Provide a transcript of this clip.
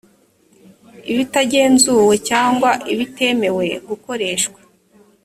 ibitagenzuwe cyangwa ibitemewe gukoreshwa